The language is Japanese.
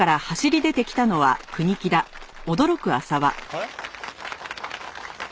あれ？